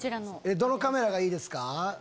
どのカメラがいいですか？